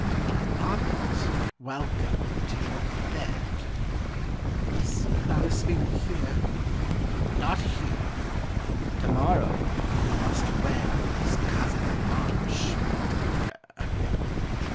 'My poppet, welcome to your bed.' 'Is Malespina here?' 'Not he! To morrow he must wed His cousin Blanche, my dear!'